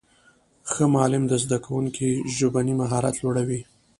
ښه معلم د زدهکوونکو ژبنی مهارت لوړوي.